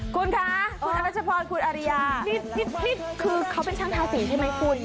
คุณคะคุณอรัชพรคุณอริยานี่คือเขาเป็นช่างทาสีใช่ไหมคุณ